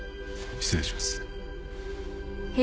失礼します。